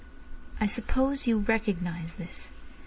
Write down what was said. "I suppose you recognise this?"